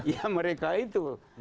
ya mereka itu